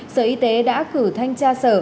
sở y tế đã cử thanh tra sở